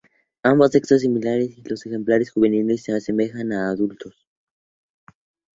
Ambos sexos son similares, y los ejemplares juveniles se asemejan a los adultos.